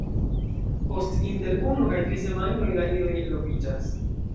Post inter unu kaj tri semajnoj la idoj eloviĝas.